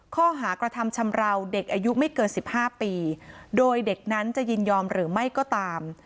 ข้อหากระทำชำราวเด็กอายุไม่เกิน๑๕ปีโดยเด็กนั้นจะยินยอมหรือไม่ก็ตาม